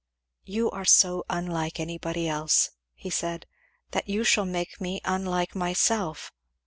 "You are so unlike anybody else," he said, "that you shall make me unlike myself.